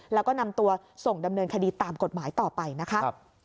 แล้วก็นำตัวส่งดำเนินคดีตามกฎหมายต่อไปนะคะ